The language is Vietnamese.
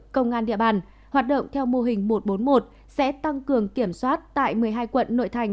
công an địa bàn hoạt động theo mô hình một trăm bốn mươi một sẽ tăng cường kiểm soát tại một mươi hai quận nội thành